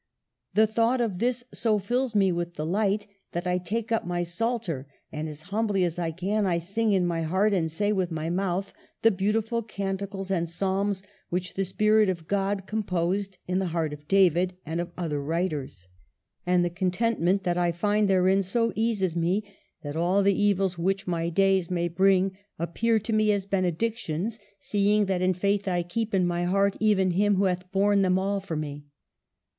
The thought of this so fills me with delight, that I take up my Psalter, and, as humbly as I can, I sing in my heart and say with my mouth the beautiful canticles and psalms which the Spirit of God composed in the heart of David, and of other writers. And the contentment that I find therein so eases me, that all the evils which my days may bring appear to me as benedictions, seeing that in faith I keep in my heart even Him who hath borne them all for me.